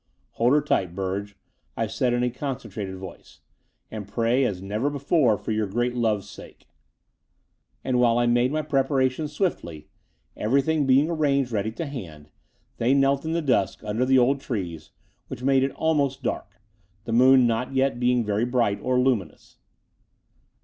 ''Hold her tight, Burge," I said in a concen trated voice: "and pray as never before for your great love's sake." And while I made my preparations swiftly, everj^hing being arranged ready to hand, they knelt in the dusk under the old trees, which made it almost dark, the moon not yet being very bright or Ittminous.